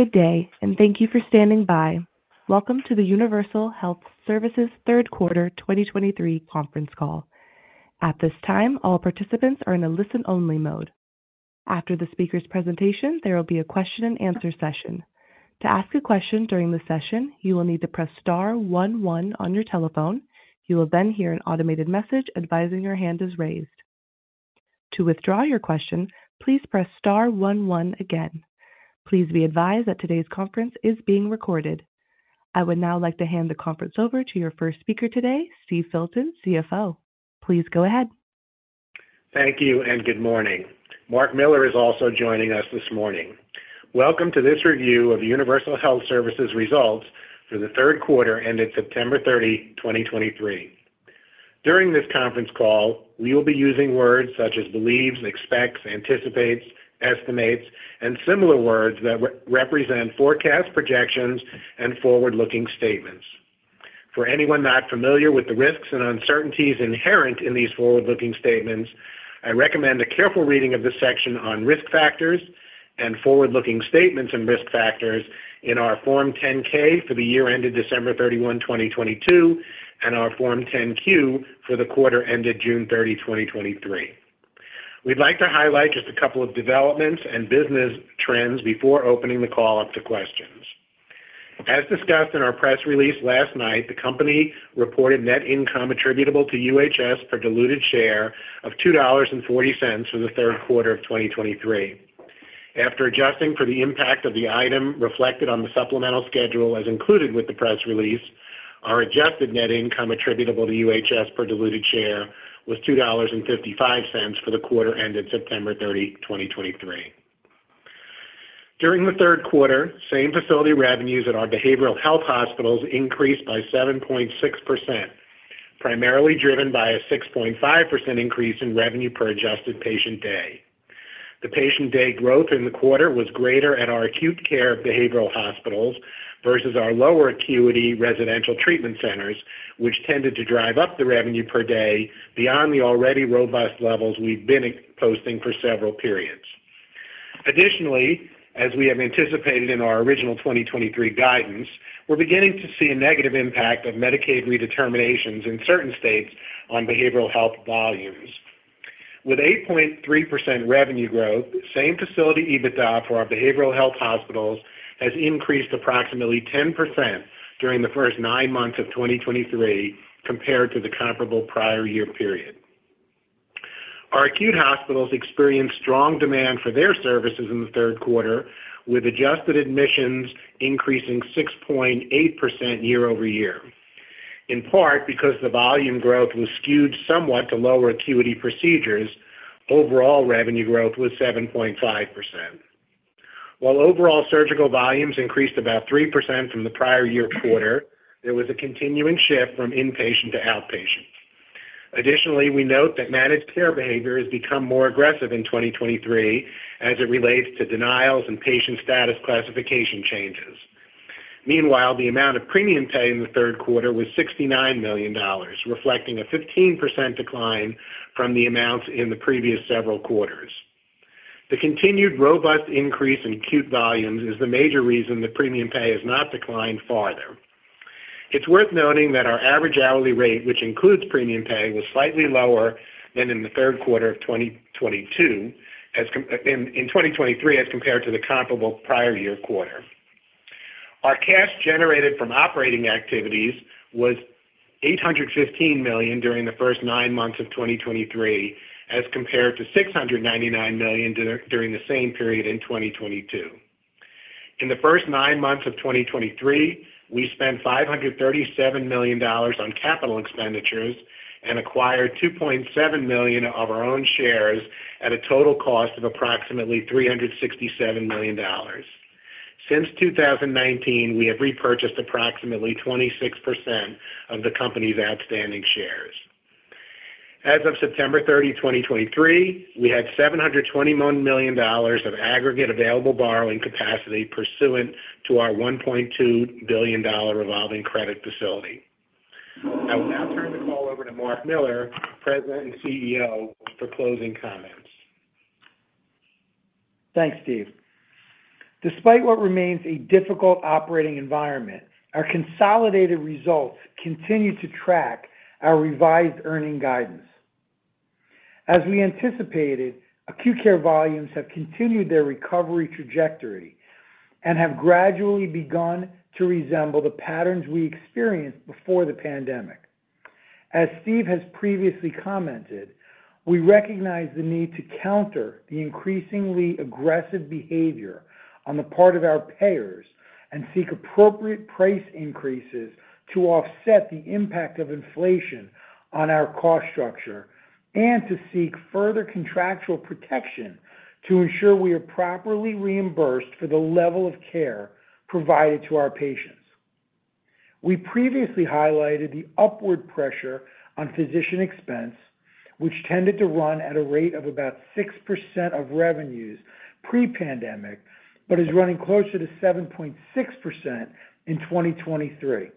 Good day, and thank you for standing by. Welcome to the Universal Health Services third quarter 2023 conference call. At this time, all participants are in a listen-only mode. After the speaker's presentation, there will be a question-and-answer session. To ask a question during the session, you will need to press star one one on your telephone. You will then hear an automated message advising your hand is raised. To withdraw your question, please press star one one again. Please be advised that today's conference is being recorded. I would now like to hand the conference over to your first speaker today, Steve Filton, CFO. Please go ahead. Thank you and good morning. Marc Miller is also joining us this morning. Welcome to this review of Universal Health Services results for the third quarter, ending September 30, 2023. During this conference call, we will be using words such as believes, expects, anticipates, estimates, and similar words that represent forecast projections and forward-looking statements. For anyone not familiar with the risks and uncertainties inherent in these forward-looking statements, I recommend a careful reading of the section on Risk Factors and Forward-Looking Statements and Risk Factors in our Form 10-K for the year ended December 31, 2022, and our Form 10-Q for the quarter ended June 30, 2023. We'd like to highlight just a couple of developments and business trends before opening the call up to questions. As discussed in our press release last night, the company reported net income attributable to UHS per diluted share of $2.40 for the third quarter of 2023. After adjusting for the impact of the item reflected on the supplemental schedule, as included with the press release, our adjusted net income attributable to UHS per diluted share was $2.55 for the quarter ended September 30, 2023. During the third quarter, same facility revenues at our behavioral health hospitals increased by 7.6%, primarily driven by a 6.5% increase in revenue per adjusted patient day. The patient day growth in the quarter was greater at our acute care behavioral hospitals versus our lower acuity residential treatment centers, which tended to drive up the revenue per day beyond the already robust levels we've been posting for several periods. Additionally, as we have anticipated in our original 2023 guidance, we're beginning to see a negative impact of Medicaid redeterminations in certain states on behavioral health volumes. With 8.3% revenue growth, same-facility EBITDA for our behavioral health hospitals has increased approximately 10% during the first nine months of 2023 compared to the comparable prior-year period. Our acute hospitals experienced strong demand for their services in the third quarter, with adjusted admissions increasing 6.8% year-over-year. In part because the volume growth was skewed somewhat to lower acuity procedures, overall revenue growth was 7.5%. While overall surgical volumes increased about 3% from the prior-year quarter, there was a continuing shift from inpatient to outpatient. Additionally, we note that managed care behavior has become more aggressive in 2023 as it relates to denials and patient status classification changes. Meanwhile, the amount of premium pay in the third quarter was $69 million, reflecting a 15% decline from the amounts in the previous several quarters. The continued robust increase in acute volumes is the major reason the premium pay has not declined farther. It's worth noting that our average hourly rate, which includes premium pay, was slightly lower than in the third quarter of 2022 as compared to the comparable prior year quarter. Our cash generated from operating activities was $815 million during the first nine months of 2023, as compared to $699 million during the same period in 2022. In the first nine months of 2023, we spent $537 million on capital expenditures and acquired 2.7 million of our own shares at a total cost of approximately $367 million. Since 2019, we have repurchased approximately 26% of the company's outstanding shares. As of September 30, 2023, we had $721 million of aggregate available borrowing capacity pursuant to our $1.2 billion revolving credit facility. I will now turn the call over to Marc Miller, President and CEO, for closing comments. Thanks, Steve. Despite what remains a difficult operating environment, our consolidated results continue to track our revised earnings guidance. As we anticipated, acute care volumes have continued their recovery trajectory and have gradually begun to resemble the patterns we experienced before the pandemic. As Steve has previously commented, we recognize the need to counter the increasingly aggressive behavior on the part of our payers and seek appropriate price increases to offset the impact of inflation on our cost structure, and to seek further contractual protection to ensure we are properly reimbursed for the level of care provided to our patients. We previously highlighted the upward pressure on physician expense, which tended to run at a rate of about 6% of revenues pre-pandemic, but is running closer to 7.6% in 2023.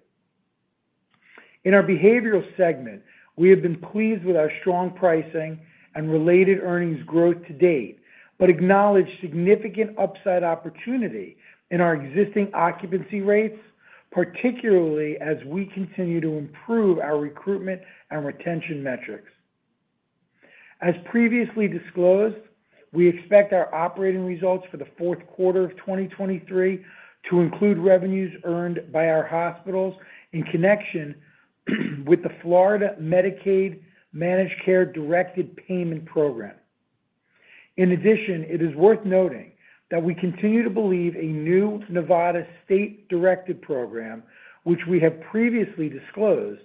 ...In our Behavioral segment, we have been pleased with our strong pricing and related earnings growth to date, but acknowledge significant upside opportunity in our existing occupancy rates, particularly as we continue to improve our recruitment and retention metrics. As previously disclosed, we expect our operating results for the fourth quarter of 2023 to include revenues earned by our hospitals in connection with the Florida Medicaid Managed Care Directed Payment Program. In addition, it is worth noting that we continue to believe a new Nevada state-directed program, which we have previously disclosed,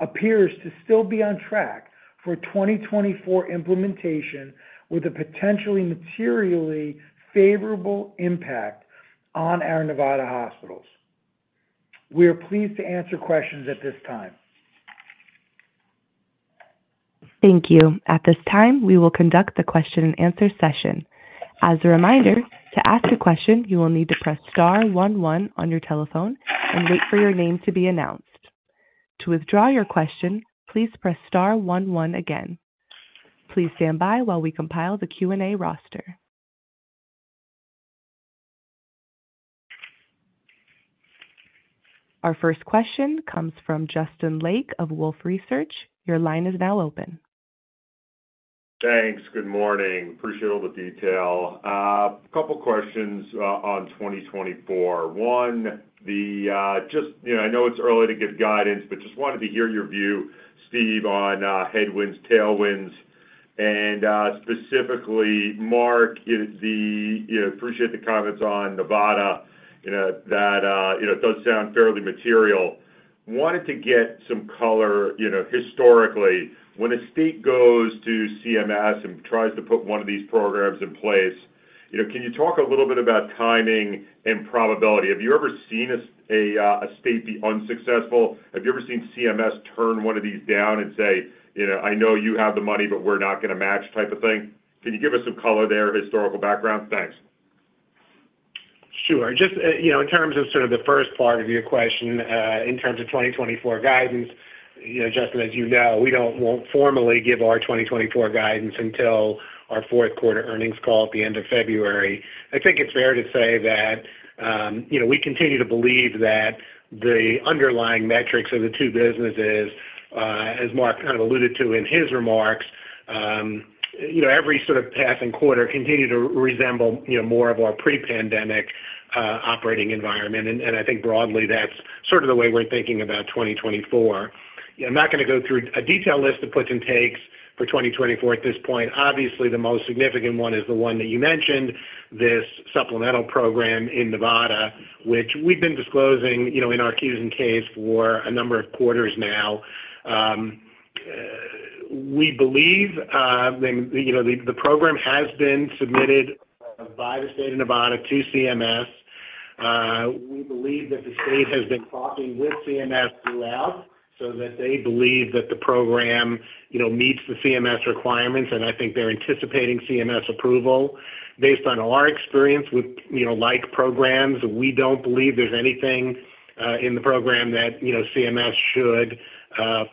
appears to still be on track for 2024 implementation, with a potentially materially favorable impact on our Nevada hospitals. We are pleased to answer questions at this time. Thank you. At this time, we will conduct the question-and-answer session. As a reminder, to ask a question, you will need to press star one, one on your telephone and wait for your name to be announced. To withdraw your question, please press star one, one again. Please stand by while we compile the Q&A roster. Our first question comes from Justin Lake of Wolfe Research. Your line is now open. Thanks. Good morning. Appreciate all the detail. A couple questions on 2024. One, just, you know, I know it's early to give guidance, but just wanted to hear your view, Steve, on headwinds, tailwinds, and specifically, Marc, you know, appreciate the comments on Nevada, you know, that it does sound fairly material. Wanted to get some color, you know, historically, when a state goes to CMS and tries to put one of these programs in place, you know, can you talk a little bit about timing and probability? Have you ever seen a state be unsuccessful? Have you ever seen CMS turn one of these down and say, "You know, I know you have the money, but we're not going to match," type of thing? Can you give us some color there, historical background? Thanks. Sure. Just, you know, in terms of sort of the first part of your question, in terms of 2024 guidance, you know, Justin, as you know, we won't formally give our 2024 guidance until our fourth quarter earnings call at the end of February. I think it's fair to say that, you know, we continue to believe that the underlying metrics of the two businesses, as Marc kind of alluded to in his remarks, you know, every sort of passing quarter continue to resemble, you know, more of our pre-pandemic, operating environment. And I think broadly, that's sort of the way we're thinking about 2024. I'm not going to go through a detailed list of puts and takes for 2024 at this point. Obviously, the most significant one is the one that you mentioned, this supplemental program in Nevada, which we've been disclosing, you know, in our Qs and Ks for a number of quarters now. We believe, you know, the program has been submitted by the state of Nevada to CMS. We believe that the state has been talking with CMS throughout, so that they believe that the program, you know, meets the CMS requirements, and I think they're anticipating CMS approval. Based on our experience with, you know, like programs, we don't believe there's anything in the program that, you know, CMS should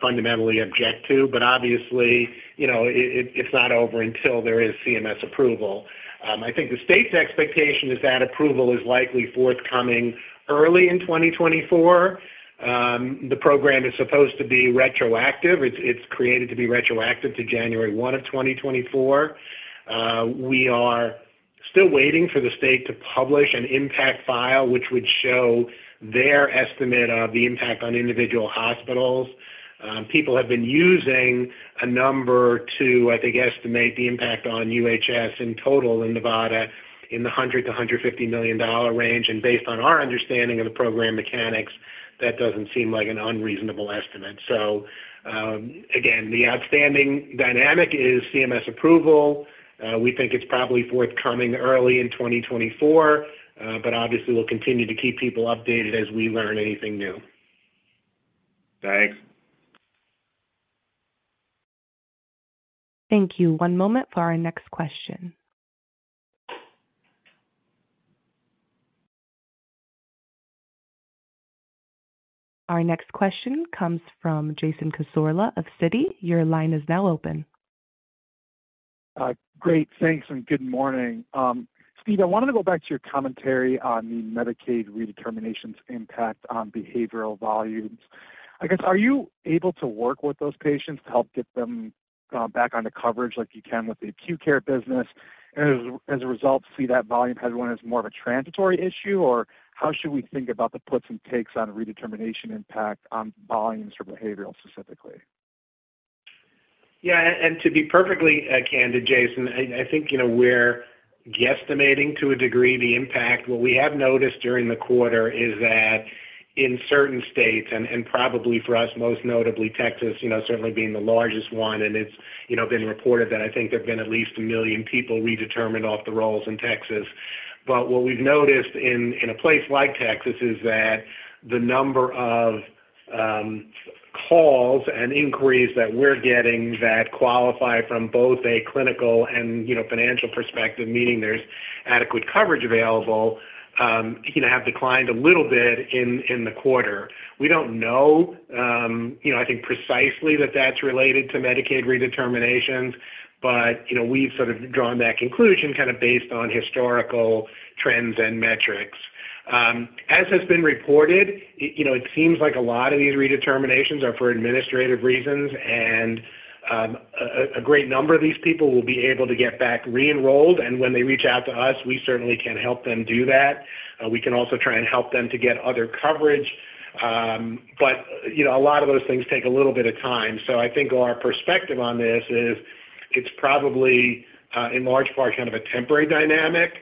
fundamentally object to. But obviously, you know, it's not over until there is CMS approval. I think the state's expectation is that approval is likely forthcoming early in 2024. The program is supposed to be retroactive. It's created to be retroactive to January 1, 2024. We are still waiting for the state to publish an impact file, which would show their estimate of the impact on individual hospitals. People have been using a number to, I think, estimate the impact on UHS in total in Nevada in the $100 million-$150 million range, and based on our understanding of the program mechanics, that doesn't seem like an unreasonable estimate. So, again, the outstanding dynamic is CMS approval. We think it's probably forthcoming early in 2024, but obviously, we'll continue to keep people updated as we learn anything new. Thanks. Thank you. One moment for our next question. Our next question comes from Jason Cassorla of Citi. Your line is now open. Great, thanks, and good morning. Steve, I wanted to go back to your commentary on the Medicaid redeterminations impact on behavioral volumes. I guess, are you able to work with those patients to help get them back onto coverage like you can with the acute care business? And as a result, see that volume headwind as more of a transitory issue, or how should we think about the puts and takes on redetermination impact on volumes for behavioral specifically? Yeah, and to be perfectly candid, Jason, I think, you know, we're guesstimating to a degree the impact. What we have noticed during the quarter is that in certain states, and probably for us, most notably Texas, you know, certainly being the largest one, and it's, you know, been reported that I think there have been at least 1 million people redetermined off the rolls in Texas. But what we've noticed in a place like Texas is that the number of calls and inquiries that we're getting that qualify from both a clinical and, you know, financial perspective, meaning there's adequate coverage available, have declined a little bit in the quarter. We don't know, you know, I think precisely that that's related to Medicaid redeterminations, but, you know, we've sort of drawn that conclusion kind of based on historical trends and metrics. As has been reported, you know, it seems like a lot of these redeterminations are for administrative reasons, and a great number of these people will be able to get back re-enrolled, and when they reach out to us, we certainly can help them do that. We can also try and help them to get other coverage, but, you know, a lot of those things take a little bit of time. So I think our perspective on this is, it's probably in large part kind of a temporary dynamic.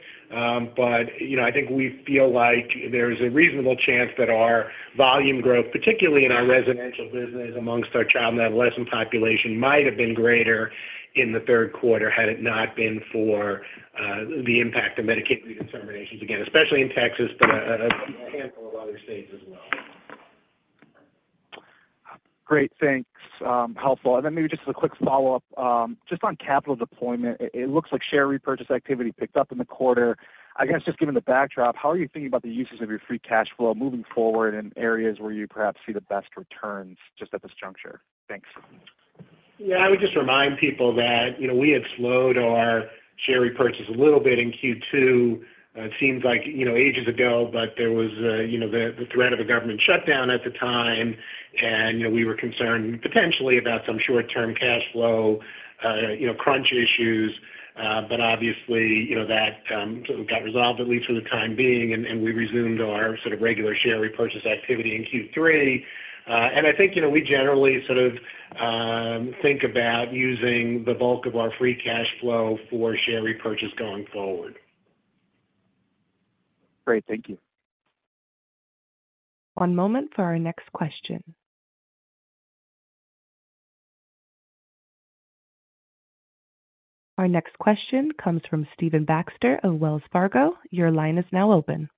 But, you know, I think we feel like there's a reasonable chance that our volume growth, particularly in our residential business amongst our child and adolescent population, might have been greater in the third quarter had it not been for the impact of Medicaid redeterminations, again, especially in Texas, but a handful of other states as well. Great, thanks, helpful. And then maybe just as a quick follow-up, just on capital deployment, it looks like share repurchase activity picked up in the quarter. I guess, just given the backdrop, how are you thinking about the uses of your free cash flow moving forward in areas where you perhaps see the best returns just at this juncture? Thanks. Yeah, I would just remind people that, you know, we had slowed our share repurchase a little bit in Q2. It seems like, you know, ages ago, but there was, you know, the threat of a government shutdown at the time, and, you know, we were concerned potentially about some short-term cash flow, you know, crunch issues. But obviously, you know, that got resolved, at least for the time being, and we resumed our sort of regular share repurchase activity in Q3. And I think, you know, we generally sort of think about using the bulk of our free cash flow for share repurchase going forward. Great, thank you. One moment for our next question. Our next question comes from Stephen Baxter of Wells Fargo. Your line is now open.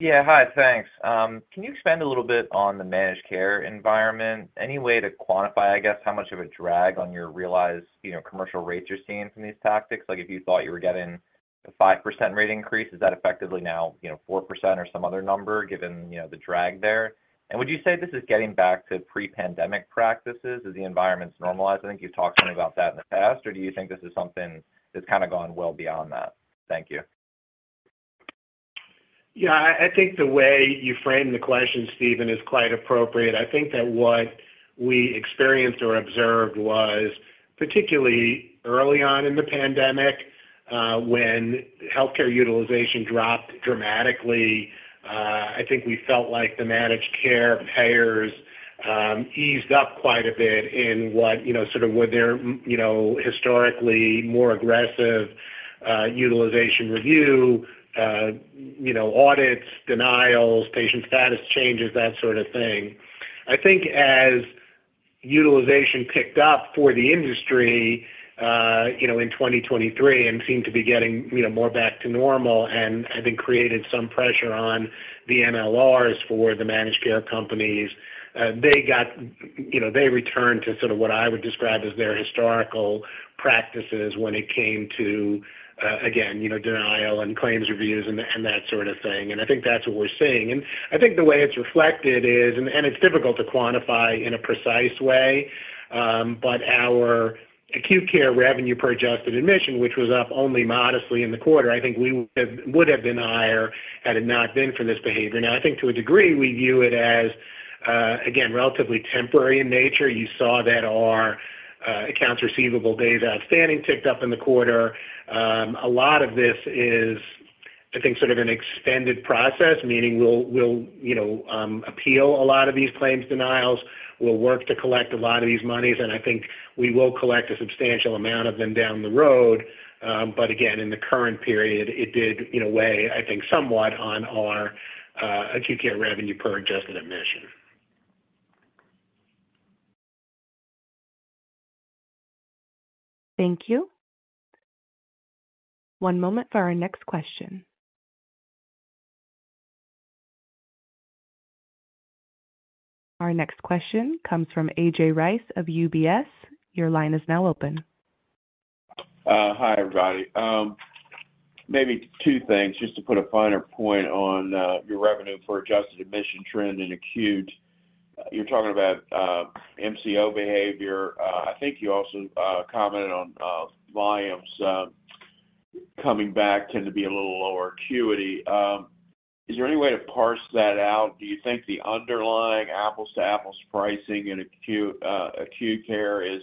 Yeah, hi, thanks. Can you expand a little bit on the managed care environment? Any way to quantify, I guess, how much of a drag on your realized, you know, commercial rates you're seeing from these tactics? Like, if you thought you were getting a 5% rate increase, is that effectively now, you know, 4% or some other number, given, you know, the drag there? And would you say this is getting back to pre-pandemic practices as the environment's normalizing? I think you've talked to me about that in the past. Or do you think this is something that's kind of gone well beyond that? Thank you. Yeah, I think the way you framed the question, Stephen, is quite appropriate. I think that what we experienced or observed was, particularly early on in the pandemic, when healthcare utilization dropped dramatically, I think we felt like the managed care payers eased up quite a bit in what, you know, sort of with their, you know, historically more aggressive utilization review, you know, audits, denials, patient status changes, that sort of thing. I think as utilization picked up for the industry, you know, in 2023 and seemed to be getting, you know, more back to normal and I think created some pressure on the MLRs for the managed care companies, they got, you know, they returned to sort of what I would describe as their historical practices when it came to, again, you know, denial and claims reviews and, and that sort of thing. And I think that's what we're seeing. And I think the way it's reflected is, and, and it's difficult to quantify in a precise way, but our acute care revenue per adjusted admission, which was up only modestly in the quarter, I think we would have, would have been higher had it not been for this behavior. Now, I think to a degree, we view it as, again, relatively temporary in nature. You saw that our accounts receivable days outstanding ticked up in the quarter. A lot of this is, I think, sort of an extended process, meaning we'll, we'll, you know, appeal a lot of these claims denials. We'll work to collect a lot of these monies, and I think we will collect a substantial amount of them down the road. But again, in the current period, it did, you know, weigh, I think, somewhat on our acute care revenue per adjusted admission. Thank you. One moment for our next question. Our next question comes from A.J. Rice of UBS. Your line is now open. Hi, everybody. Maybe two things, just to put a finer point on your revenue for adjusted admission trend in acute. You're talking about MCO behavior. I think you also commented on volumes coming back tend to be a little lower acuity. Is there any way to parse that out? Do you think the underlying apples to apples pricing in acute, acute care is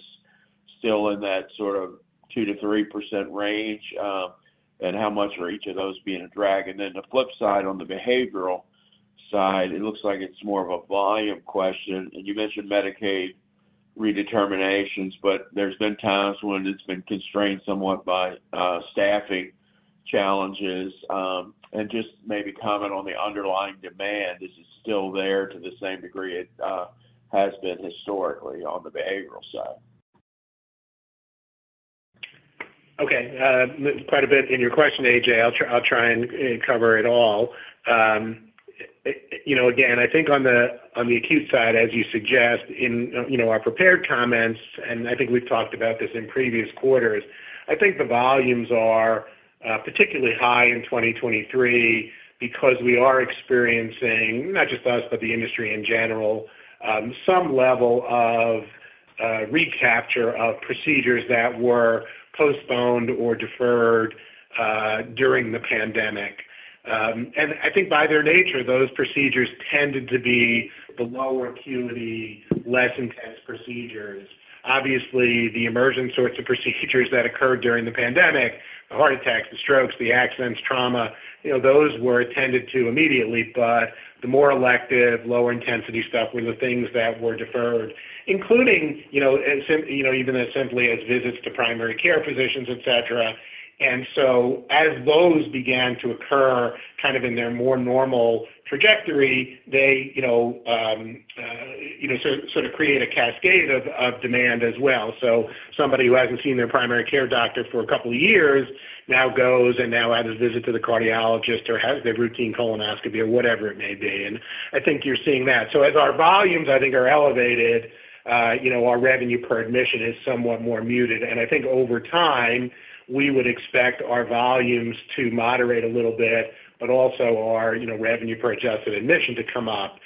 still in that sort of 2%-3% range? And how much are each of those being a drag? And then the flip side, on the behavioral side, it looks like it's more of a volume question. And you mentioned Medicaid redeterminations, but there's been times when it's been constrained somewhat by staffing challenges. And just maybe comment on the underlying demand. Is it still there to the same degree it has been historically on the behavioral side?... Okay, quite a bit in your question, A.J.. I'll try, I'll try and cover it all. You know, again, I think on the, on the acute side, as you suggest in, you know, our prepared comments, and I think we've talked about this in previous quarters, I think the volumes are, particularly high in 2023 because we are experiencing, not just us, but the industry in general, some level of, recapture of procedures that were postponed or deferred, during the pandemic. And I think by their nature, those procedures tended to be the lower acuity, less intense procedures. Obviously, the emergent sorts of procedures that occurred during the pandemic, the heart attacks, the strokes, the accidents, trauma, you know, those were attended to immediately. But the more elective, lower intensity stuff were the things that were deferred, including, you know, as simply as visits to primary care physicians, et cetera. And so as those began to occur kind of in their more normal trajectory, they, you know, sort of create a cascade of demand as well. So somebody who hasn't seen their primary care doctor for a couple of years now goes and now has a visit to the cardiologist or has their routine colonoscopy or whatever it may be. And I think you're seeing that. So as our volumes, I think, are elevated, you know, our revenue per admission is somewhat more muted. And I think over time, we would expect our volumes to moderate a little bit, but also our, you know, revenue per adjusted admission to come up.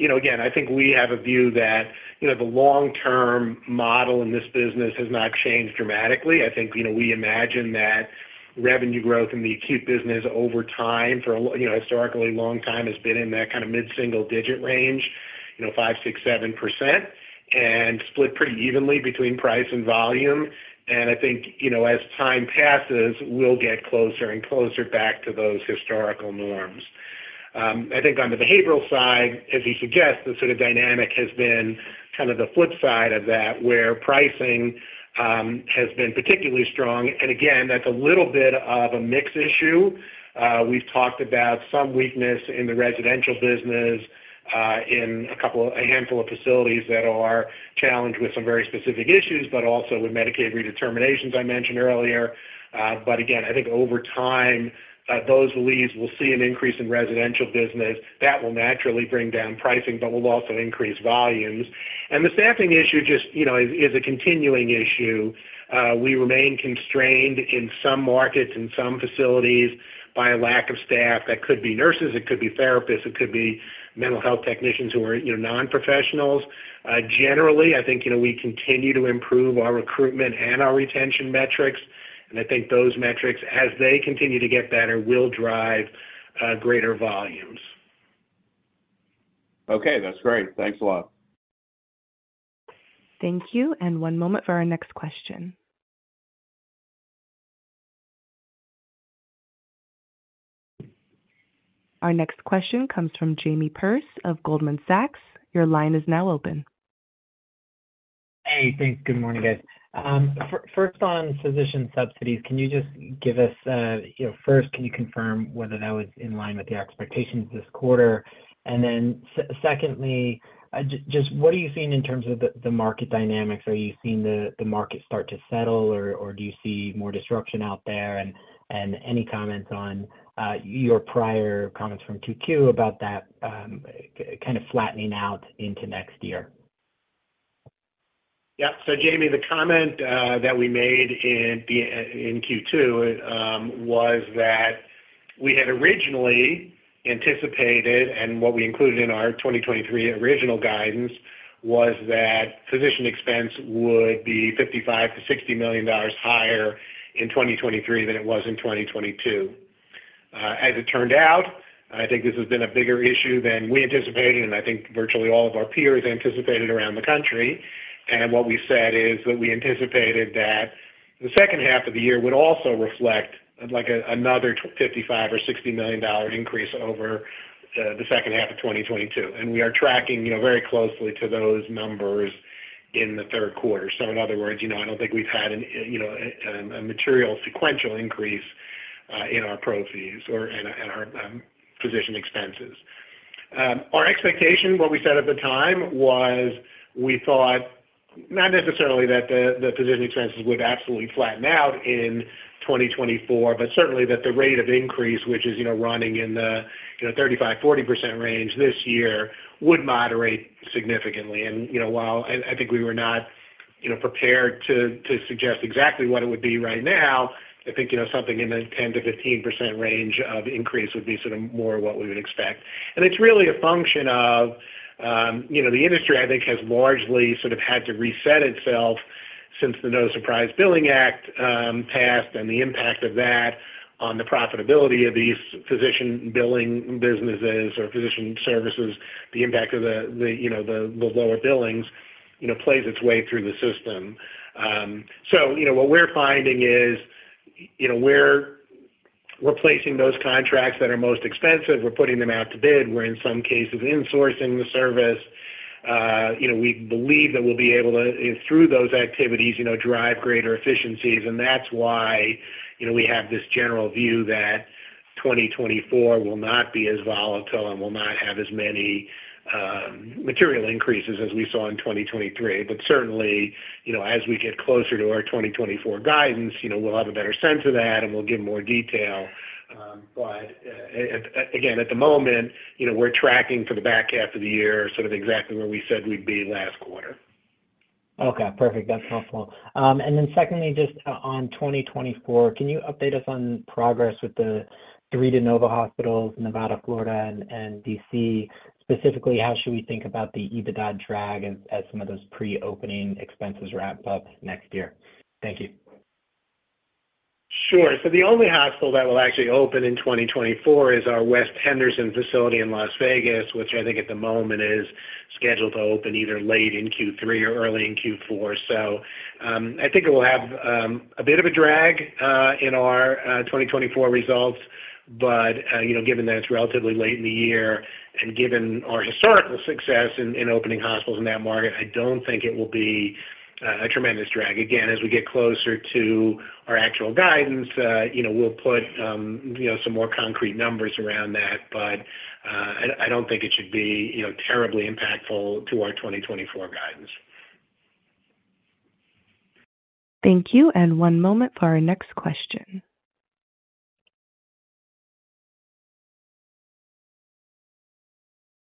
you know, again, I think we have a view that, you know, the long-term model in this business has not changed dramatically. I think, you know, we imagine that revenue growth in the acute business over time for a long time, you know, historically has been in that kind of mid-single digit range, you know, 5%, 6%, 7%, and split pretty evenly between price and volume. And I think, you know, as time passes, we'll get closer and closer back to those historical norms. I think on the behavioral side, as you suggest, the sort of dynamic has been kind of the flip side of that, where pricing has been particularly strong. And again, that's a little bit of a mix issue. We've talked about some weakness in the residential business, in a handful of facilities that are challenged with some very specific issues, but also with Medicaid redeterminations I mentioned earlier. But again, I think over time, those beds will see an increase in residential business. That will naturally bring down pricing, but will also increase volumes. And the staffing issue just, you know, is a continuing issue. We remain constrained in some markets, in some facilities by a lack of staff. That could be nurses, it could be therapists, it could be mental health technicians who are, you know, non-professionals. Generally, I think, you know, we continue to improve our recruitment and our retention metrics, and I think those metrics, as they continue to get better, will drive greater volumes. Okay, that's great. Thanks a lot. Thank you, and one moment for our next question. Our next question comes from Jamie Perse of Goldman Sachs. Your line is now open. Hey, thanks. Good morning, guys. First on physician subsidies, can you just give us, you know, first, can you confirm whether that was in line with the expectations this quarter? And then secondly, just what are you seeing in terms of the market dynamics? Are you seeing the market start to settle, or do you see more disruption out there? And any comments on your prior comments from Q2 about that kind of flattening out into next year? Yeah. So, Jamie, the comment that we made in the in Q2 was that we had originally anticipated, and what we included in our 2023 original guidance, was that physician expense would be $55 million-$60 million higher in 2023 than it was in 2022. As it turned out, I think this has been a bigger issue than we anticipated, and I think virtually all of our peers anticipated around the country. And what we said is that we anticipated that the second half of the year would also reflect, like, another $55 million or $60 million increase over the second half of 2022. And we are tracking, you know, very closely to those numbers in the third quarter. So in other words, you know, I don't think we've had an, you know, a material sequential increase in our pro fees or in, in our physician expenses. Our expectation, what we said at the time, was we thought not necessarily that the physician expenses would absolutely flatten out in 2024, but certainly that the rate of increase, which is, you know, running in the, you know, 35%-40% range this year, would moderate significantly. You know, while I think we were not, you know, prepared to suggest exactly what it would be right now, I think, you know, something in the 10%-15% range of increase would be sort of more what we would expect. It's really a function of, you know, the industry, I think, has largely sort of had to reset itself since the No Surprise Billing Act passed and the impact of that on the profitability of these physician billing businesses or physician services, the impact of the, you know, the lower billings, you know, plays its way through the system. So you know, what we're finding is, you know, we're placing those contracts that are most expensive, we're putting them out to bid. We're, in some cases, insourcing the service. You know, we believe that we'll be able to, through those activities, you know, drive greater efficiencies. And that's why, you know, we have this general view that 2024 will not be as volatile and will not have as many material increases as we saw in 2023. But certainly, you know, as we get closer to our 2024 guidance, you know, we'll have a better sense of that and we'll give more detail. But again, at the moment, you know, we're tracking for the back half of the year, sort of exactly where we said we'd be last quarter. Okay, perfect. That's helpful. And then secondly, just on 2024, can you update us on progress with the three de novo hospitals, Nevada, Florida, and D.C.? Specifically, how should we think about the EBITDA drag as some of those pre-opening expenses wrap up next year? Thank you. Sure. So the only hospital that will actually open in 2024 is our West Henderson Hospital in Las Vegas, which I think at the moment is scheduled to open either late in Q3 or early in Q4. So, I think it will have a bit of a drag in our 2024 results. But, you know, given that it's relatively late in the year and given our historical success in opening hospitals in that market, I don't think it will be a tremendous drag. Again, as we get closer to our actual guidance, you know, we'll put some more concrete numbers around that. But, I don't think it should be, you know, terribly impactful to our 2024 guidance. Thank you, and one moment for our next question.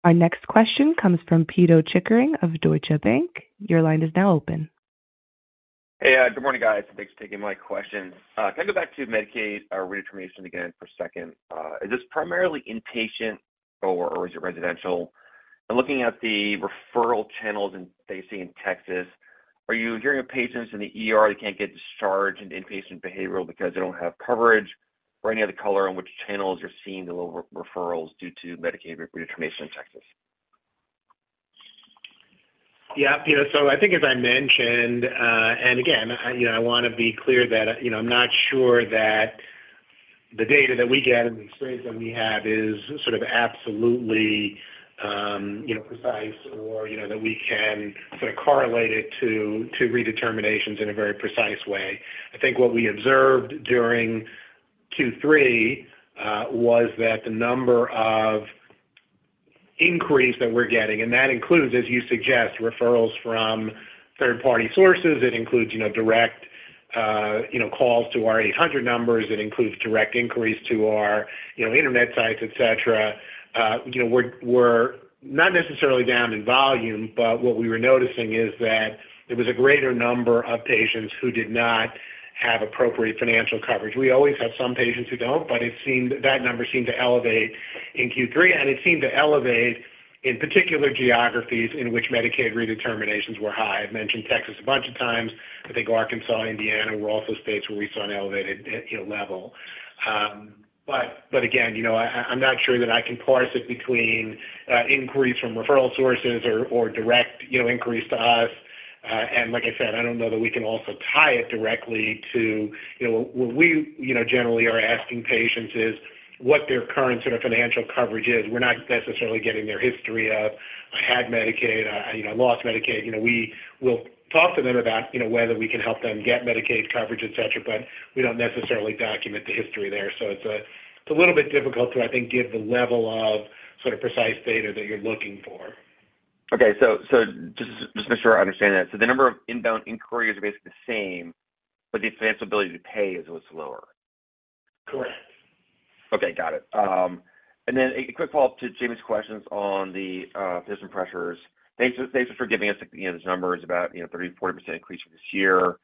Our next question comes from Pito Chickering of Deutsche Bank. Your line is now open. Hey, good morning, guys. Thanks for taking my questions. Can I go back to Medicaid redetermination again for a second? Is this primarily inpatient or is it residential? And looking at the referral channels in D.C. and Texas, are you hearing of patients in the ER that can't get discharged into inpatient behavioral because they don't have coverage, or any other color on which channels you're seeing the low referrals due to Medicaid redetermination in Texas? Yeah, Pito, so I think as I mentioned, and again, I, you know, I wanna be clear that, you know, I'm not sure that the data that we get and the experience that we have is sort of absolutely, you know, precise or, you know, that we can sort of correlate it to, to redeterminations in a very precise way. I think what we observed during Q3 was that the number of inquiries that we're getting, and that includes, as you suggest, referrals from third-party sources, it includes, you know, direct, you know, calls to our 800 numbers, it includes direct inquiries to our, you know, internet sites, et cetera. You know, we're not necessarily down in volume, but what we were noticing is that it was a greater number of patients who did not have appropriate financial coverage. We always have some patients who don't, but it seemed that number seemed to elevate in Q3, and it seemed to elevate in particular geographies in which Medicaid redeterminations were high. I've mentioned Texas a bunch of times, but I think Arkansas, Indiana, were also states where we saw an elevated, you know, level. But again, you know, I, I'm not sure that I can parse it between inquiries from referral sources or direct, you know, inquiries to us. And like I said, I don't know that we can also tie it directly to, you know, what we, you know, generally are asking patients is, what their current sort of financial coverage is. We're not necessarily getting their history of, "I had Medicaid," "I, you know, lost Medicaid." You know, we will talk to them about, you know, whether we can help them get Medicaid coverage, et cetera, but we don't necessarily document the history there. So it's a little bit difficult to, I think, give the level of sort of precise data that you're looking for. Okay. So just to be sure I understand that. So the number of inbound inquiries are basically the same, but the ability to pay is what's lower? Correct. Okay, got it. And then a quick follow-up to Jamie's questions on the, physician pressures. Thanks, thanks for giving us, you know, those numbers about, you know, 30%-40% increase for this year,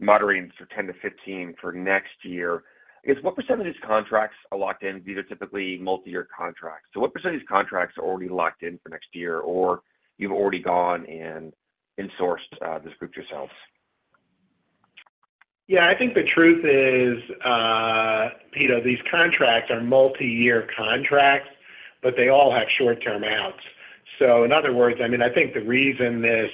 moderating to 10%-15% for next year. I guess, what percentage of these contracts are locked in? These are typically multi-year contracts. So what percentage of contracts are already locked in for next year, or you've already gone and in-sourced, this group yourselves? Yeah, I think the truth is, you know, these contracts are multiyear contracts, but they all have short-term outs. So in other words, I mean, I think the reason this,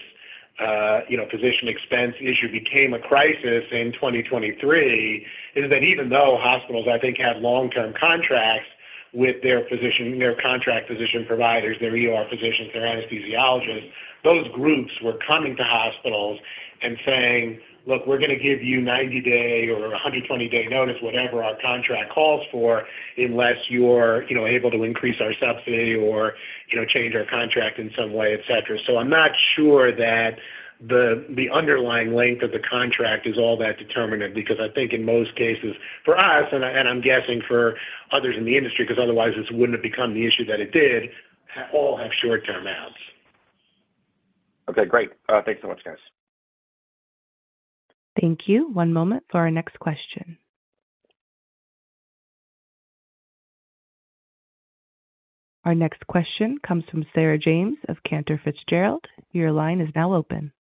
you know, physician expense issue became a crisis in 2023 is that even though hospitals, I think, have long-term contracts with their physician, their contract physician providers, their ER physicians, their anesthesiologists, those groups were coming to hospitals and saying: Look, we're gonna give you 90-day or 120-day notice, whatever our contract calls for, unless you're, you know, able to increase our subsidy or, you know, change our contract in some way, et cetera. I'm not sure that the underlying length of the contract is all that determinant, because I think in most cases, for us, and I'm guessing for others in the industry, because otherwise this wouldn't have become the issue that it did, all have short-term outs. Okay, great. Thanks so much, guys. Thank you. One moment for our next question. Our next question comes from Sarah James of Cantor Fitzgerald. Your line is now open.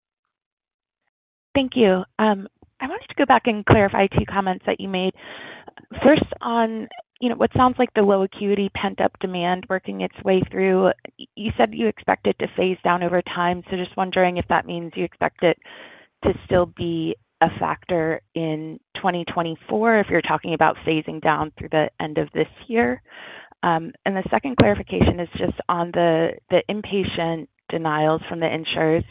Thank you. I wanted to go back and clarify two comments that you made. First, on, you know, what sounds like the low acuity, pent-up demand working its way through. You said you expect it to phase down over time, so just wondering if that means you expect it to still be a factor in 2024, if you're talking about phasing down through the end of this year? And the second clarification is just on the inpatient denials from the insurers.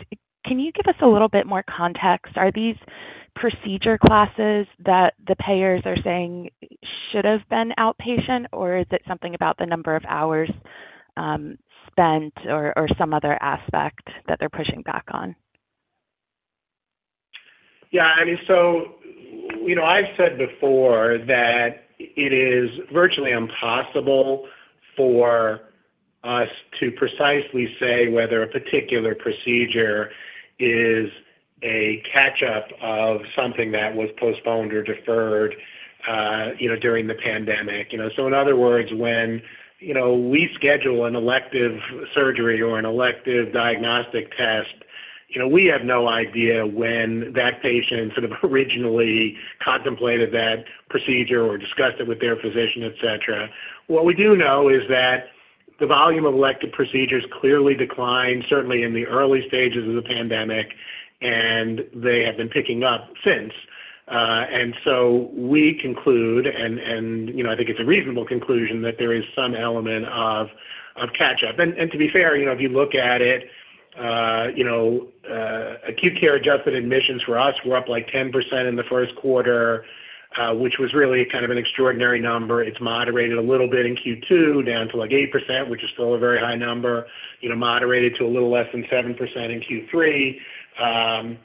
Can you give us a little bit more context? Are these procedure classes that the payers are saying should have been outpatient, or is it something about the number of hours spent or some other aspect that they're pushing back on? Yeah, I mean, so, you know, I've said before that it is virtually impossible for us to precisely say whether a particular procedure is a catch-up of something that was postponed or deferred, you know, during the pandemic. You know, so in other words, when, you know, we schedule an elective surgery or an elective diagnostic test, you know, we have no idea when that patient sort of originally contemplated that procedure or discussed it with their physician, et cetera. What we do know is that the volume of elective procedures clearly declined, certainly in the early stages of the pandemic, and they have been picking up since. And so we conclude, you know, I think it's a reasonable conclusion that there is some element of catch up. To be fair, you know, if you look at it, acute care adjusted admissions for us were up, like, 10% in the first quarter, which was really kind of an extraordinary number. It's moderated a little bit in Q2, down to like 8%, which is still a very high number, you know, moderated to a little less than 7% in Q3,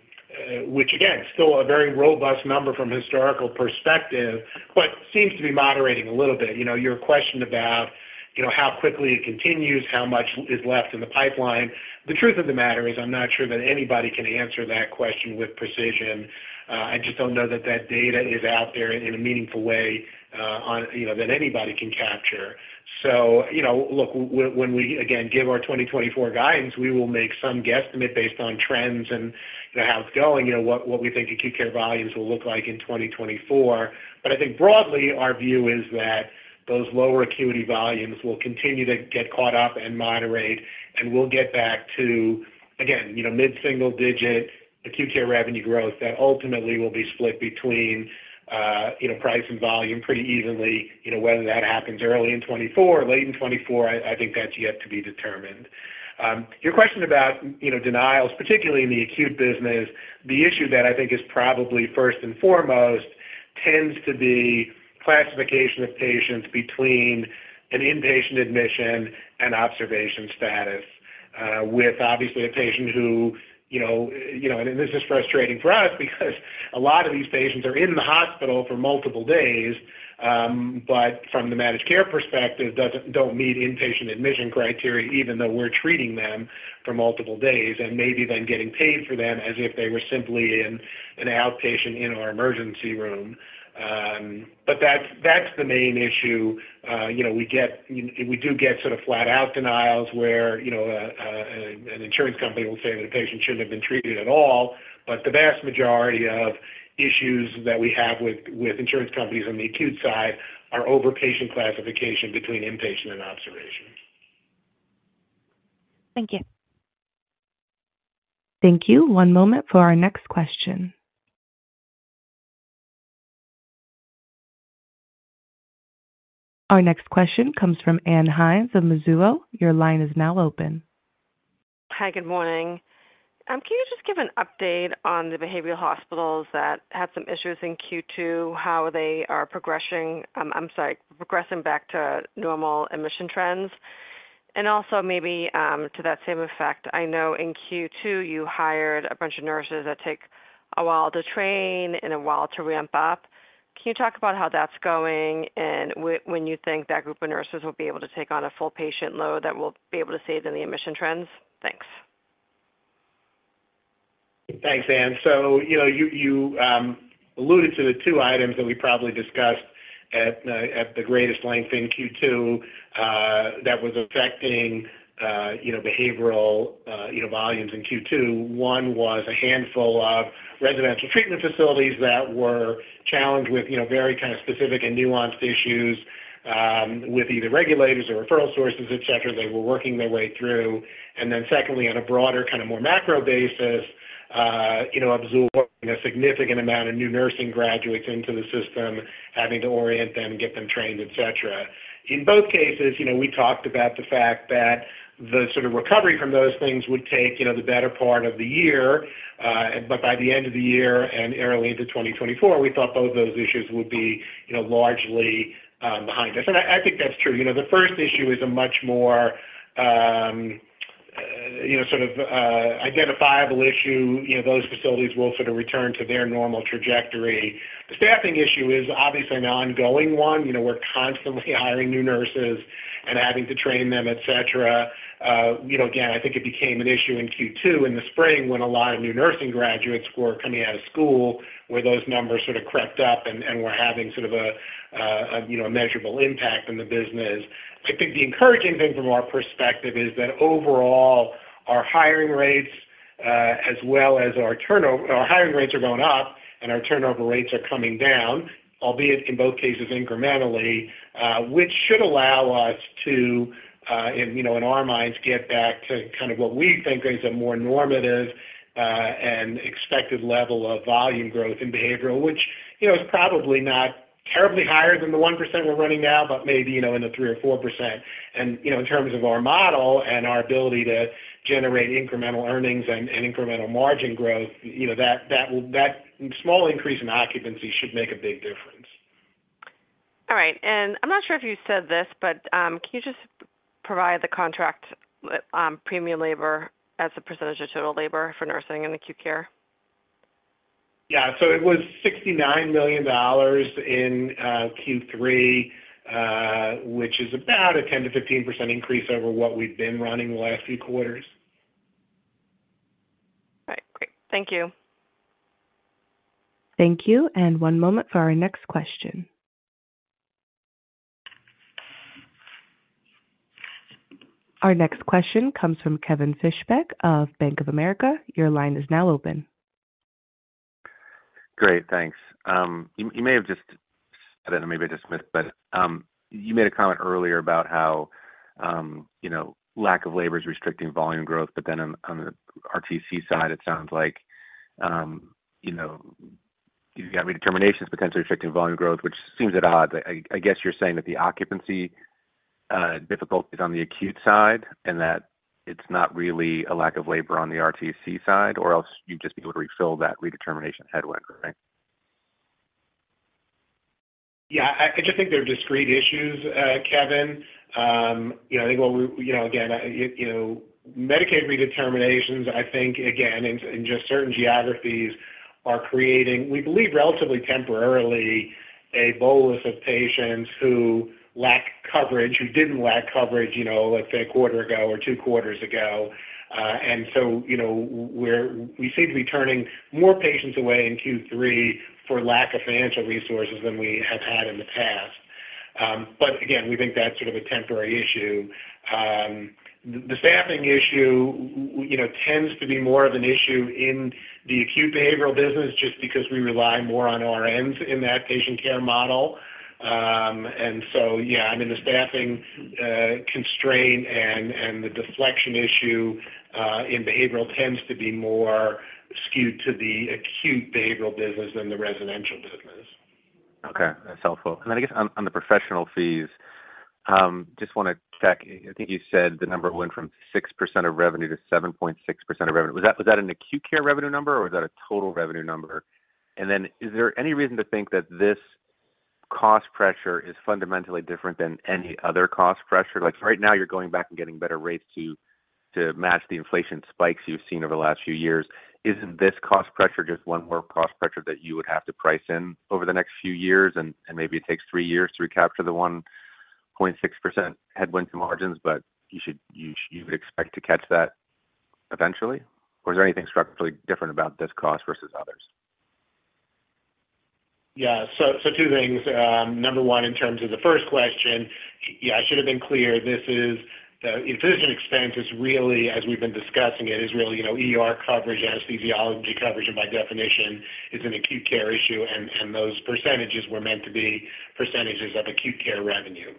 which, again, still a very robust number from a historical perspective, but seems to be moderating a little bit. You know, your question about, you know, how quickly it continues, how much is left in the pipeline. The truth of the matter is, I'm not sure that anybody can answer that question with precision. I just don't know that that data is out there in a meaningful way, on, you know, that anybody can capture. So, you know, look, when we again give our 2024 guidance, we will make some guesstimate based on trends and, you know, how it's going, you know, what we think acute care volumes will look like in 2024. But I think broadly, our view is that those lower acuity volumes will continue to get caught up and moderate, and we'll get back to, again, you know, mid-single digit acute care revenue growth that ultimately will be split between, you know, price and volume pretty evenly. You know, whether that happens early in 2024 or late in 2024, I think that's yet to be determined. Your question about, you know, denials, particularly in the acute business, the issue that I think is probably first and foremost tends to be classification of patients between an inpatient admission and observation status, with obviously a patient who, you know, you know, and this is frustrating for us because a lot of these patients are in the hospital for multiple days, but from the managed care perspective, don't meet inpatient admission criteria, even though we're treating them for multiple days and maybe then getting paid for them as if they were simply in an outpatient in our emergency room. But that's the main issue. You know, we do get sort of flat-out denials where, you know, an insurance company will say that a patient shouldn't have been treated at all. The vast majority of issues that we have with insurance companies on the acute side are over patient classification between inpatient and observation. Thank you. Thank you. One moment for our next question. Our next question comes from Ann Hynes of Mizuho. Your line is now open. Hi, good morning. Can you just give an update on the behavioral hospitals that had some issues in Q2, how they are progressing, I'm sorry, progressing back to normal admission trends? And also maybe, to that same effect, I know in Q2, you hired a bunch of nurses that take a while to train and a while to ramp up. Can you talk about how that's going and when you think that group of nurses will be able to take on a full patient load that will be able to see it in the admission trends? Thanks. Thanks, Ann. So, you know, you alluded to the two items that we probably discussed at the greatest length in Q2, that was affecting you know, behavioral you know, volumes in Q2. One was a handful of residential treatment facilities that were challenged with, you know, very kind of specific and nuanced issues, with either regulators or referral sources, et cetera. They were working their way through. And then secondly, on a broader, kind of more macro basis, you know, absorbing a significant amount of new nursing graduates into the system, having to orient them, get them trained, et cetera. In both cases, you know, we talked about the fact that the sort of recovery from those things would take, you know, the better part of the year, but by the end of the year and early into 2024, we thought both those issues would be, you know, largely behind us. And I think that's true. You know, the first issue is a much more, you know, sort of identifiable issue. You know, those facilities will sort of return to their normal trajectory. The staffing issue is obviously an ongoing one. You know, we're constantly hiring new nurses and having to train them, et cetera. You know, again, I think it became an issue in Q2 in the spring, when a lot of new nursing graduates were coming out of school, where those numbers sort of crept up and were having sort of a, you know, a measurable impact on the business. I think the encouraging thing from our perspective is that overall, our hiring rates, as well as our turnover, our hiring rates are going up and our turnover rates are coming down, albeit in both cases incrementally, which should allow us to, you know, in our minds, get back to kind of what we think is a more normative, and expected level of volume growth in behavioral, you know, it's probably not terribly higher than the 1% we're running now, but maybe, you know, in the 3%-4%. You know, in terms of our model and our ability to generate incremental earnings and incremental margin growth, you know, that small increase in occupancy should make a big difference. All right. I'm not sure if you said this, but can you just provide the contract premium labor as a percentage of total labor for nursing and acute care? Yeah. So it was $69 million in Q3, which is about a 10%-15% increase over what we've been running the last few quarters. All right, great. Thank you. Thank you, and one moment for our next question. Our next question comes from Kevin Fischbeck of Bank of America. Your line is now open. Great, thanks. You may have just— I don't know, maybe I just missed, but you made a comment earlier about how, you know, lack of labor is restricting volume growth, but then on the RTC side, it sounds like, you know, you've got redeterminations potentially restricting volume growth, which seems at odds. I guess you're saying that the occupancy difficulty is on the acute side, and that it's not really a lack of labor on the RTC side, or else you'd just be able to refill that redetermination headwind, right? Yeah, I just think they're discrete issues, Kevin. You know, I think, you know, again, you know, Medicaid redeterminations, I think, again, in just certain geographies are creating, we believe, relatively temporarily, a bolus of patients who lack coverage, who didn't lack coverage, you know, let's say a quarter ago or two quarters ago. And so, you know, we seem to be turning more patients away in Q3 for lack of financial resources than we have had in the past. But again, we think that's sort of a temporary issue. The staffing issue, you know, tends to be more of an issue in the acute behavioral business, just because we rely more on RNs in that patient care model. Yeah, I mean, the staffing constraint and the deflection issue in behavioral tends to be more skewed to the acute behavioral business than the residential business. Okay, that's helpful. And then I guess on the professional fees, just wanna check. I think you said the number went from 6% of revenue to 7.6% of revenue. Was that, was that an acute care revenue number, or was that a total revenue number? And then is there any reason to think that this cost pressure is fundamentally different than any other cost pressure? Like right now, you're going back and getting better rates to match the inflation spikes you've seen over the last few years. Isn't this cost pressure just one more cost pressure that you would have to price in over the next few years, and maybe it takes three years to recapture the 1.6% headwind to margins, but you should, you would expect to catch that eventually? Or is there anything structurally different about this cost versus others? Yeah, so two things. Number one, in terms of the first question, yeah, I should have been clear. This is, the physician expense is really, as we've been discussing, it is really, you know, ER coverage, anesthesiology coverage, and by definition, is an acute care issue, and those percentages were meant to be percentages of acute care revenue.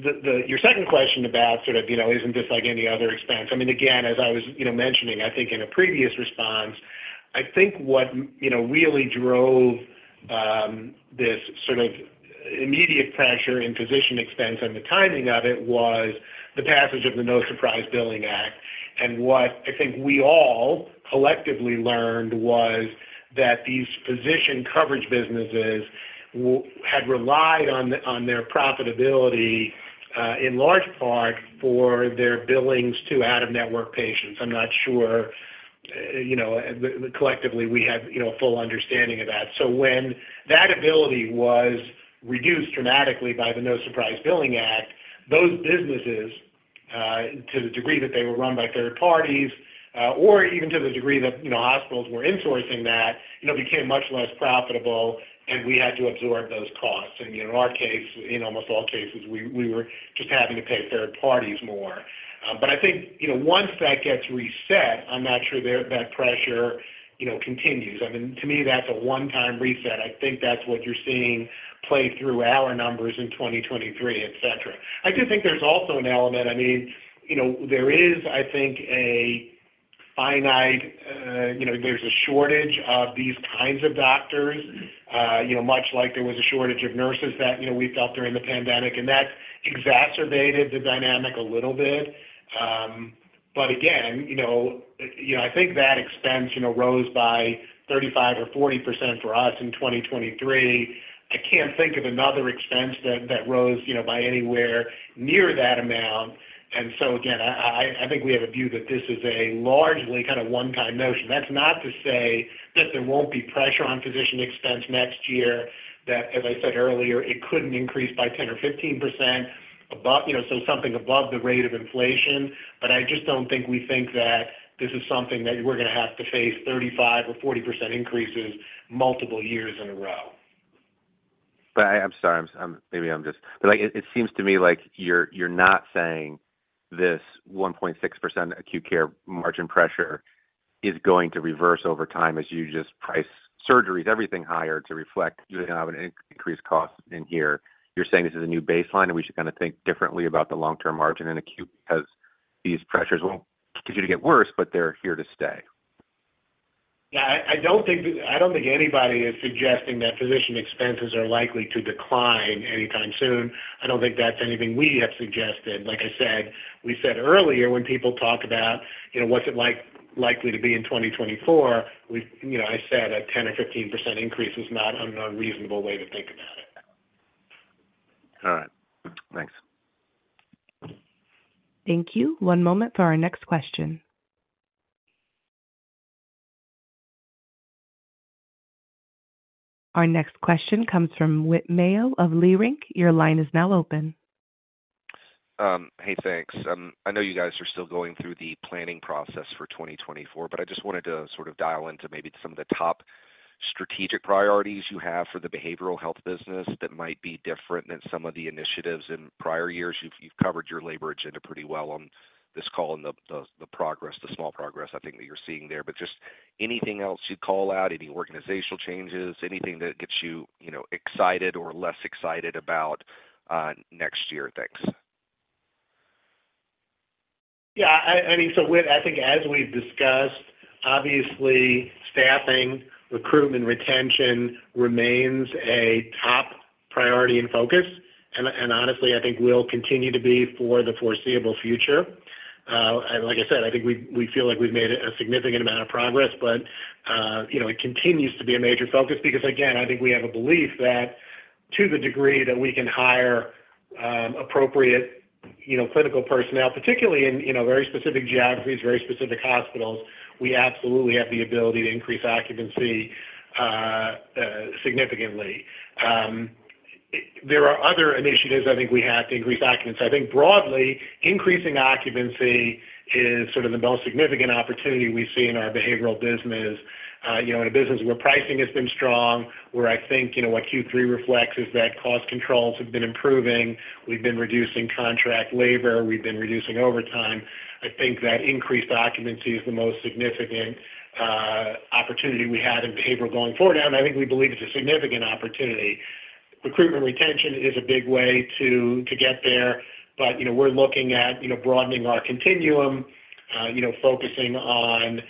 The-- your second question about sort of, you know, isn't this like any other expense? I mean, again, as I was, you know, mentioning, I think in a previous response, I think what, you know, really drove this sort of immediate pressure in physician expense and the timing of it was the passage of the No Surprises Act. What I think we all collectively learned was that these physician coverage businesses had relied on, on their profitability, in large part for their billings to out-of-network patients. I'm not sure, you know, collectively, we have, you know, a full understanding of that. When that ability was reduced dramatically by the No Surprises Act, those businesses, to the degree that they were run by third parties, or even to the degree that, you know, hospitals were insourcing that, you know, became much less profitable, and we had to absorb those costs. In our case, in almost all cases, we were just having to pay third parties more. I think, you know, once that gets reset, I'm not sure that that pressure, you know, continues. I mean, to me, that's a one-time reset. I think that's what you're seeing play through our numbers in 2023, et cetera. I do think there's also an element, I mean, you know, there is, I think, a finite, you know, there's a shortage of these kinds of doctors, you know, much like there was a shortage of nurses that, you know, we felt during the pandemic, and that exacerbated the dynamic a little bit. But again, you know, you know, I think that expense, you know, rose by 35%-40% for us in 2023. I can't think of another expense that, that rose, you know, by anywhere near that amount. And so again, I, I, I think we have a view that this is a largely kind of one-time notion. That's not to say that there won't be pressure on physician expense next year, that, as I said earlier, it couldn't increase by 10% or 15% above, you know, so something above the rate of inflation. But I just don't think we think that this is something that we're gonna have to face 35% or 40% increases multiple years in a row. But I'm sorry, maybe I'm just, but, like, it seems to me like you're not saying this 1.6% acute care margin pressure is going to reverse over time as you just price surgeries, everything higher to reflect, you're gonna have an increased cost in here. You're saying this is a new baseline, and we should kinda think differently about the long-term margin in acute, because-... these pressures won't continue to get worse, but they're here to stay. Yeah, I, I don't think, I don't think anybody is suggesting that physician expenses are likely to decline anytime soon. I don't think that's anything we have suggested. Like I said, we said earlier, when people talk about, you know, what's it like, likely to be in 2024, we, you know, I said a 10% or 15% increase is not an unreasonable way to think about it. All right. Thanks. Thank you. One moment for our next question. Our next question comes from Whit Mayo of Leerink. Your line is now open. Hey, thanks. I know you guys are still going through the planning process for 2024, but I just wanted to sort of dial into maybe some of the top strategic priorities you have for the behavioral health business that might be different than some of the initiatives in prior years. You've covered your labor agenda pretty well on this call and the progress, the small progress, I think, that you're seeing there. But just anything else you'd call out, any organizational changes, anything that gets you, you know, excited or less excited about next year? Thanks. Yeah, I mean, so Whit, I think as we've discussed, obviously, staffing, recruitment, retention remains a top priority and focus, and honestly, I think will continue to be for the foreseeable future. And like I said, I think we feel like we've made a significant amount of progress, but you know, it continues to be a major focus because, again, I think we have a belief that to the degree that we can hire appropriate, you know, clinical personnel, particularly in, you know, very specific geographies, very specific hospitals, we absolutely have the ability to increase occupancy significantly. There are other initiatives I think we have to increase occupancy. I think broadly, increasing occupancy is sort of the most significant opportunity we see in our behavioral business, you know, in a business where pricing has been strong, where I think, you know, what Q3 reflects is that cost controls have been improving. We've been reducing contract labor, we've been reducing overtime. I think that increased occupancy is the most significant opportunity we have in behavioral going forward, and I think we believe it's a significant opportunity. Recruitment, retention is a big way to get there, but, you know, we're looking at, you know, broadening our continuum, you know, focusing on,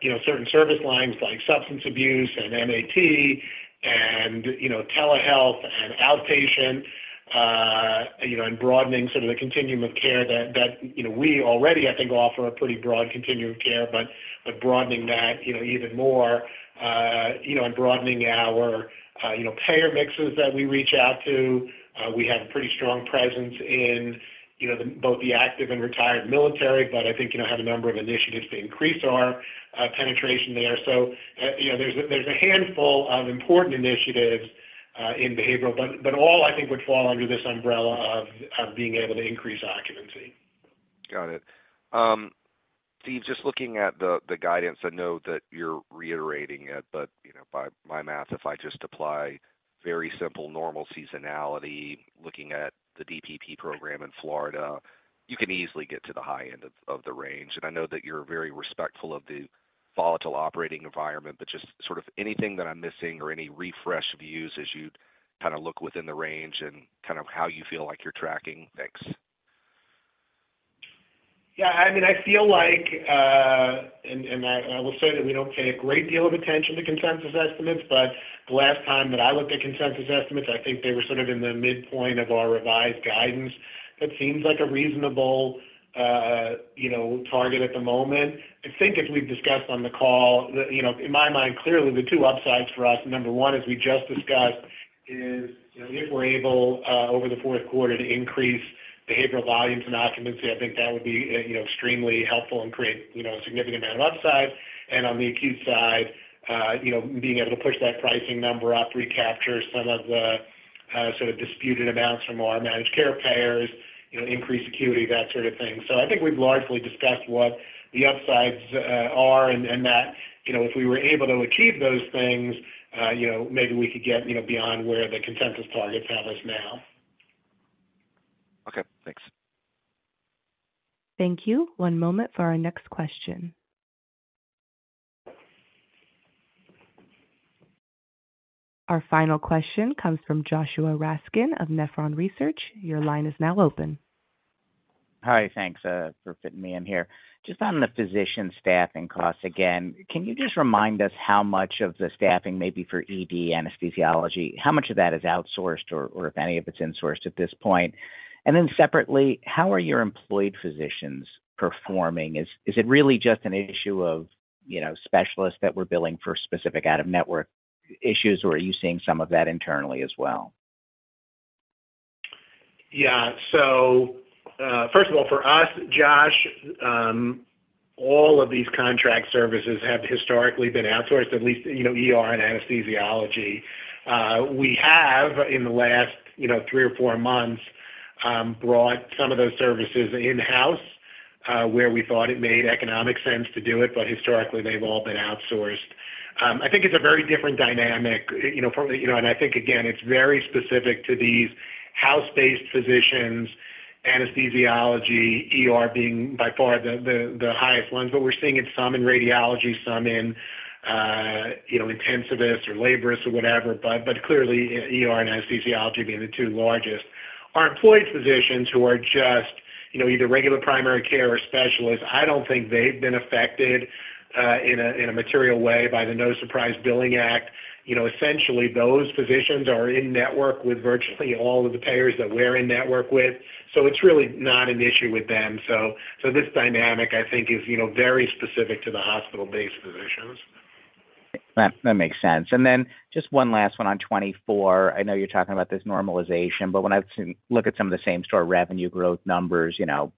you know, certain service lines like substance abuse and MAT and, you know, telehealth and outpatient, you know, and broadening sort of the continuum of care that, you know, we already, I think, offer a pretty broad continuum of care, but broadening that, you know, even more, you know, and broadening our, you know, payer mixes that we reach out to. We have a pretty strong presence in, you know, the, both the active and retired military, but I think, you know, have a number of initiatives to increase our penetration there. You know, there's a handful of important initiatives in behavioral, but all, I think, would fall under this umbrella of being able to increase occupancy. Got it. Steve, just looking at the guidance, I know that you're reiterating it, but, you know, by my math, if I just apply very simple, normal seasonality, looking at the DPP program in Florida, you can easily get to the high end of the range. And I know that you're very respectful of the volatile operating environment, but just sort of anything that I'm missing or any refresh views as you kind of look within the range and kind of how you feel like you're tracking? Thanks. Yeah, I mean, I feel like, and I will say that we don't pay a great deal of attention to consensus estimates, but the last time that I looked at consensus estimates, I think they were sort of in the midpoint of our revised guidance. That seems like a reasonable, you know, target at the moment. I think, as we've discussed on the call, the, you know, in my mind, clearly, the two upsides for us, number one, as we just discussed, is, you know, if we're able, over the fourth quarter to increase behavioral volumes and occupancy, I think that would be, you know, extremely helpful and create, you know, a significant amount of upside. And on the acute side, you know, being able to push that pricing number up, recapture some of the, sort of disputed amounts from our managed care payers, you know, increase acuity, that sort of thing. So I think we've largely discussed what the upsides, are, and, and that, you know, if we were able to achieve those things, you know, maybe we could get, you know, beyond where the consensus targets have us now. Okay, thanks. Thank you. One moment for our next question. Our final question comes from Joshua Raskin of Nephron Research. Your line is now open. Hi, thanks for fitting me in here. Just on the physician staffing costs, again, can you just remind us how much of the staffing, maybe for ED, anesthesiology, how much of that is outsourced or if any of it's insourced at this point? And then separately, how are your employed physicians performing? Is it really just an issue of, you know, specialists that we're billing for specific out-of-network issues, or are you seeing some of that internally as well? Yeah. So, first of all, for us, Josh, all of these contract services have historically been outsourced, at least, you know, ER and anesthesiology. We have, in the last, you know, three months or four months, brought some of those services in-house, where we thought it made economic sense to do it, but historically, they've all been outsourced. I think it's a very different dynamic, you know, from, you know, and I think, again, it's very specific to these house-based physicians, anesthesiology, ER being by far the highest ones, but we're seeing it some in radiology, some in, you know, intensivists or laborists or whatever, but clearly, ER and anesthesiology being the two largest. Our employed physicians who are just, you know, either regular primary care or specialists, I don't think they've been affected in a material way by the No Surprise Billing Act. You know, essentially, those physicians are in-network with virtually all of the payers that we're in-network with, so it's really not an issue with them. So this dynamic, I think, is, you know, very specific to the hospital-based physicians. That, that makes sense. And then just one last one on 2024. I know you're talking about this normalization, but when I look at some of the same-store revenue growth numbers, you know,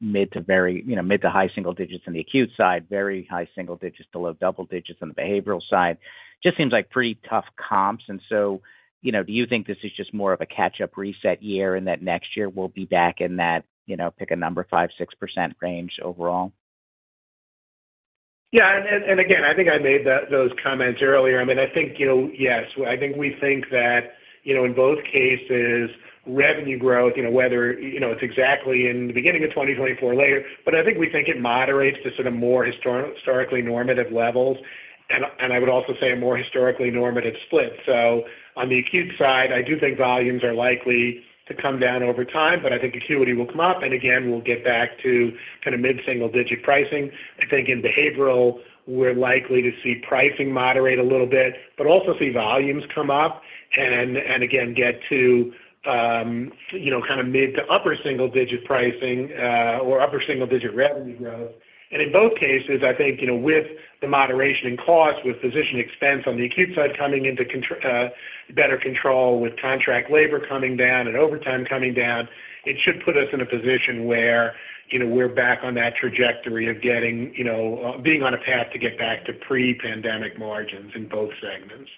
mid- to very, you know, mid- to high-single-digits on the acute side, very high-single-digits to low-double-digits on the behavioral side, just seems like pretty tough comps. And so, you know, do you think this is just more of a catch-up reset year and that next year we'll be back in that, you know, pick a number, 5%-6% range overall? Yeah, and again, I think I made those comments earlier. I mean, I think, you know, yes, I think we think that, you know, in both cases, revenue growth, you know, whether, you know, it's exactly in the beginning of 2024 later, but I think we think it moderates to sort of more historically normative levels, and I would also say a more historically normative split. So on the acute side, I do think volumes are likely to come down over time, but I think acuity will come up, and again, we'll get back to kind of mid-single-digit pricing. I think in behavioral, we're likely to see pricing moderate a little bit, but also see volumes come up and again get to, you know, kind of mid- to upper-single-digit pricing, or upper-single-digit revenue growth. I think, you know, with the moderation in cost, with physician expense on the acute side coming into better control, with contract labor coming down and overtime coming down, it should put us in a position where, you know, we're back on that trajectory of getting, you know, being on a path to get back to pre-pandemic margins in both segments.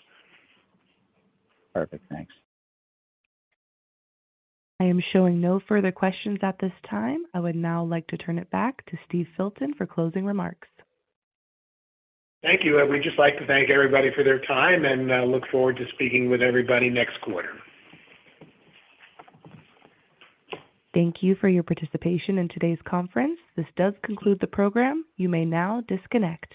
Perfect. Thanks. I am showing no further questions at this time. I would now like to turn it back to Steve Filton for closing remarks. Thank you. I would just like to thank everybody for their time, and look forward to speaking with everybody next quarter. Thank you for your participation in today's conference. This does conclude the program. You may now disconnect.